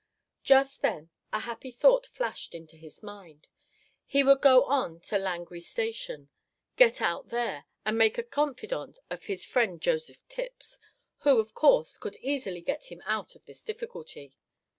Just then a happy thought flashed into his mind. He would go on to Langrye station, get out there, and make a confidant of his friend Joseph Tipps, who, of course, could easily get him out of his difficulty.